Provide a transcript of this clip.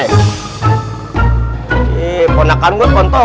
eh ponakan gue kontoh